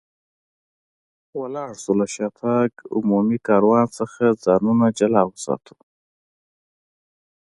ولاړ شو، له شاتګ عمومي کاروان څخه ځانونه جلا وساتو.